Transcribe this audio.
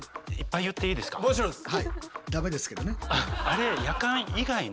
もちろんです。